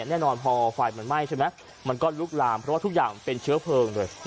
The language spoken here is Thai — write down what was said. แน่นอนพอไฟมันไหม้ใช่ไหมมันก็ลุกลามเพราะว่าทุกอย่างเป็นเชื้อเพลิงเลย